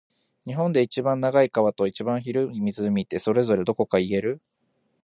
日本で一番長い川と、一番広い湖って、それぞれどこか言える？